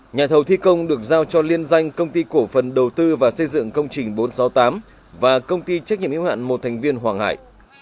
nhà thầu thi công được giao cho liên danh công ty cổ phần đầu tư và xây dựng công trình bốn trăm sáu mươi tám và công ty trách nhiệm yếu hạn một thành viên hoàng hải